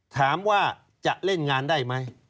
ถามว่าจะเล่นงานได้ไหม